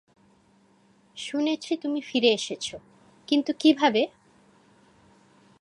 শুনেছি তুমি ফিরে এসেছ, কিন্তু কীভাবে?